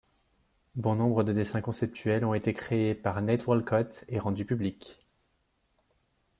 Bon nombre de dessins conceptuels ont été créés par Nate Wolcott et rendus publics.